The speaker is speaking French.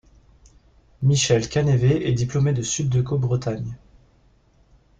Michel Canévet est diplômé de Sup de Co Bretagne.